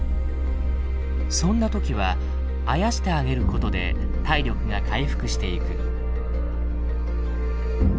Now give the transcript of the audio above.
そんな時はあやしてあげることで体力が回復していく。